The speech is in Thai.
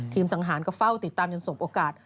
สังหารก็เฝ้าติดตามจนสมโอกาส